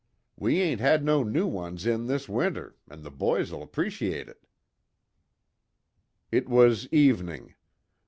We ain't had no new ones in this winter, an' the boys'll 'preciate it." It was evening.